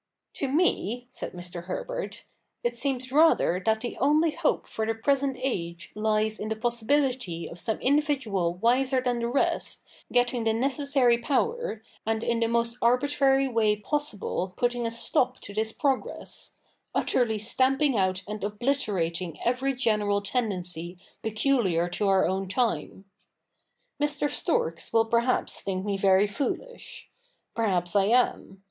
'To me,' said Mr. Herbert, 'it seems rather that the only hope for the present age lies in the possibility of some individual wiser than the rest getting the necessary power, and in the most arbitrary way possible putting a stop to this progress — utterly stamping out and oblite rating every general tendency peculiar to our own time. Mr. Storks will perhaps think me very foolish. Perhaps I am.